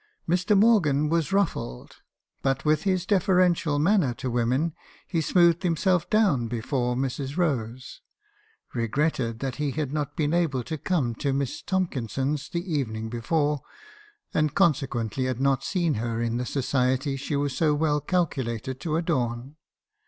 "Mr. Morgan was ruffled; but with his deferential manner to women, he smoothed himself down before Mrs. Rose, — re gretted that he had not been able to come to Miss Tomkinson's the evening before, and consequently had not seen her in the society she was so well calculated to adorn.